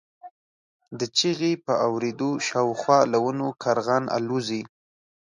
د چیغې په اورېدو شاوخوا له ونو کارغان الوځي.